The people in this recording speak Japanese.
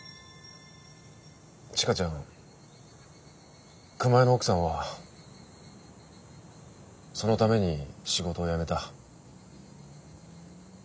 知歌ちゃん熊井の奥さんはそのために仕事を辞めた。